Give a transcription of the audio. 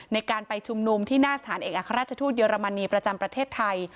ในการไปชุมนุมที่หน้าสถานเอกอัครราชทูตเยอรมนีประจำประเทศไทย